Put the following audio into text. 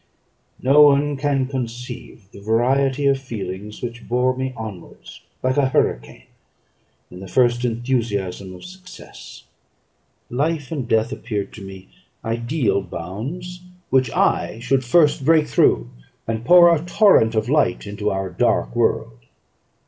No one can conceive the variety of feelings which bore me onwards, like a hurricane, in the first enthusiasm of success. Life and death appeared to me ideal bounds, which I should first break through, and pour a torrent of light into our dark world.